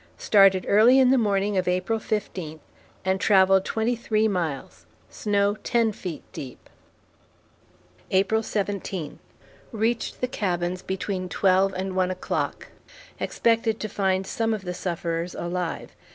Started early in the morning of April 15 and travelled twenty three miles. Snow ten feet deep. April 17. Reached the cabins between twelve and one o'clock. Expected to find some of the sufferers alive.